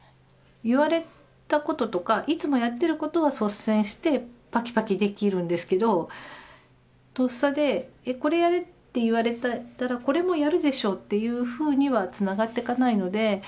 言われたこととかいつもやっていることは率先してパキパキできるんですけどとっさでこれやれと言われたらこれもやるでしょというふうにはつながっていかないので。